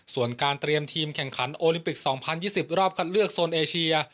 ส่วนการเตรียมทีมแข่งขันโอลิมปิก๒๐๒๐รอบคัดเลือกโซนเอเชีย